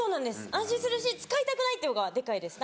安心するし使いたくないっていう方がデカいです。